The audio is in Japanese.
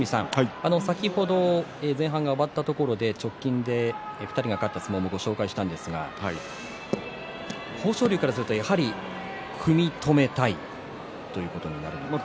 先ほど前半が終わったところで直近で２人が勝った相撲をご紹介したんですが豊昇龍からすればやはり組み止めたいということになりますか。